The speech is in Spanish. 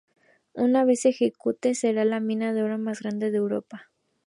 Una vez se ejecute, será la mina de oro más grande en Europa.